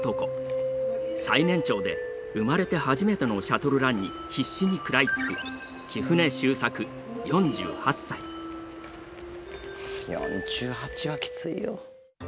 最年長で生まれて初めてのシャトルランに必死に食らいつく４８はきついよ。